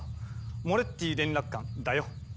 モレッティ連絡官だよ。